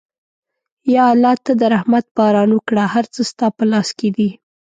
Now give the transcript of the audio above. یا الله ته د رحمت باران وکړه، هر څه ستا په لاس کې دي.